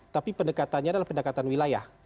tapi pendekatannya adalah pendekatan wilayah